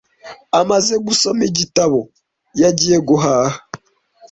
Amaze gusoma igitabo, yagiye guhaha.